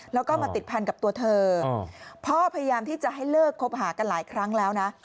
แล้วก็มาติดพันกับตัวเธอพ่อพยายามที่จะให้เลิกคบหากันหลายครั้งแล้วนะ